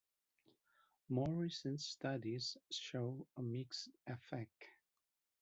More recent studies show a mixed effect.